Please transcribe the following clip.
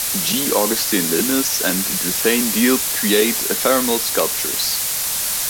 G. Augustine Lynas and Duthain Dealbh create ephemeral sculptures.